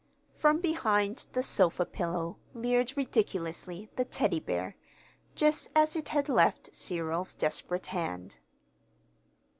From behind the sofa pillow leered ridiculously the Teddy bear, just as it had left Cyril's desperate hand.